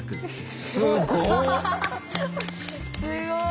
すごい。